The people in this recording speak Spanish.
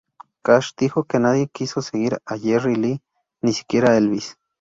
Cash, dijo que: "nadie quiso seguir a Jerry Lee, ni siquiera Elvis".